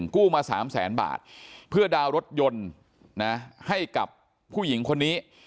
กู้มา๓แสนบาทเพื่อดาวน์รถยนต์นะให้กับผู้หญิงคนนี้